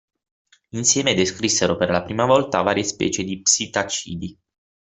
Insieme descrissero per la prima volta varie specie di Psittacidi.